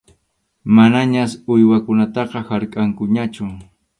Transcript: Manañas uywakunataqa harkʼankuñachu.